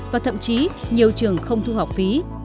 và thậm chí nhiều trường không thu học phí